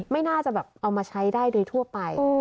ไม่น่าจะแบบเอามาใช้ได้โดยทั่วไป